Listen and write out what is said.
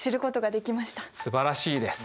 すばらしいです。